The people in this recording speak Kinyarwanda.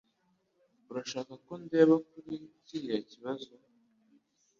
Urashaka ko ndeba kuri kiriya kibazo?